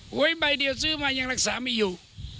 วยใบเดียวซื้อมายังรักษาไม่อยู่